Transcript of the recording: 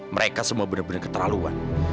mereka semua bener bener keterlaluan